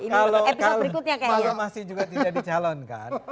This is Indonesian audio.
kalau konfirmasi juga tidak dicalonkan